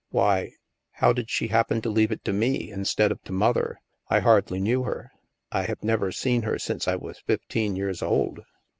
Why — How did she happen to leave it to me, instead of to Mother? I hardly knew her. I have never seen her since I was fifteen years old."